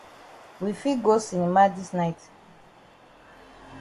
We fit go cinema dis night?